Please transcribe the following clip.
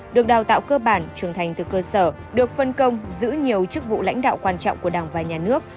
được đào tạo cơ bản trưởng thành từ cơ sở được phân công giữ nhiều chức vụ lãnh đạo quan trọng của đảng và nhà nước